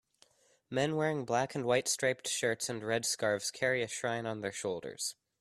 Men wearing black and white striped shirts and red scarves carry a shrine on their shoulders.